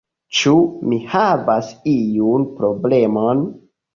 Ĉu mi havas iun problemon?